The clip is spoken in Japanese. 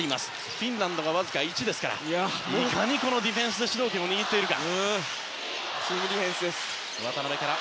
フィンランドはわずかに１なのでいかにディフェンスで主導権を握っているか。